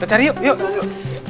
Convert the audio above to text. kita cari yuk yuk